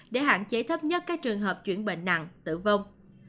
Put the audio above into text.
để hạn chế thấp nhất các trường hợp chuyển bệnh nặng tử vong